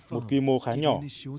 một quy mô khá nhỏ